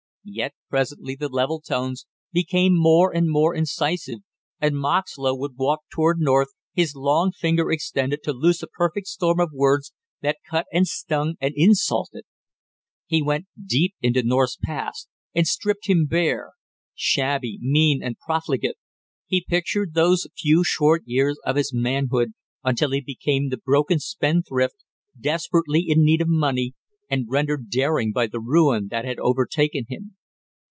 Yet presently the level tones became more and more incisive, and Moxlow would walk toward North, his long finger extended, to loose a perfect storm of words that cut and stung and insulted. He went deep into North's past, and stripped him bare; shabby, mean, and profligate, he pictured those few short years of his manhood until he became the broken spendthrift, desperately in need of money and rendered daring by the ruin that had overtaken him.